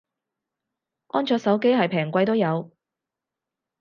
安卓手機係平貴都有